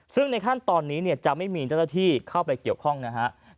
ซึ่งในขั้นตอนนี้จะไม่มีเจ้าหน้าที่เข้าไปเกี่ยวข้องนะครับ